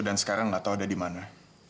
dan sekarang enggak tahu ada di mana